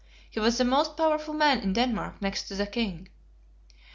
He was the most powerful man in Denmark next to the King.